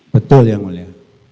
betul yang mulia